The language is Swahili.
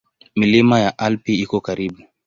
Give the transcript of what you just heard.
Milima ya Alpi iko karibu.